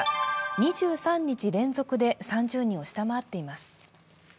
２３日連続で３０人を下回っています。